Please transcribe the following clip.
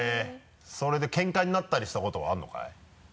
それでケンカになったりしたことはあるのかい？